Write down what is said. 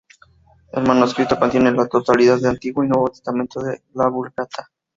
El manuscrito contiene la totalidad del Antiguo y Nuevo Testamento de la Vulgata.